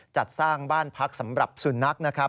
จัดสร้างบ้านพักสำหรับสุนัขนะครับ